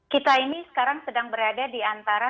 kita ini sekarang sedang berada diantara